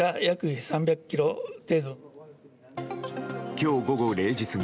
今日午後０時過ぎ